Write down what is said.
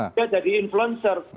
dia jadi influencer